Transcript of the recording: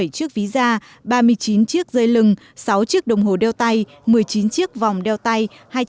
một năm mươi bảy chiếc ví da ba mươi chín chiếc dây lừng sáu chiếc đồng hồ đeo tay một mươi chín chiếc vòng đeo tay